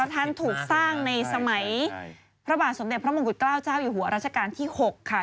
ท่านถูกสร้างในสมัยพระบาทสมเด็จพระมงกุฎเกล้าเจ้าอยู่หัวราชการที่๖ค่ะ